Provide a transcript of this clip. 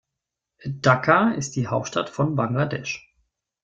Dhaka ist die Hauptstadt von Bangladesch.